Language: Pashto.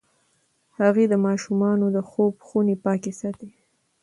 هغې د ماشومانو د خوب خونې پاکې ساتي.